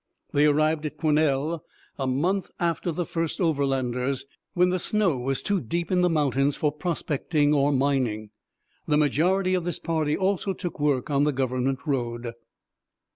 They arrived at Quesnel a month after the first Overlanders, when the snow was too deep in the mountains for prospecting or mining. The majority of this party also took work on the government road.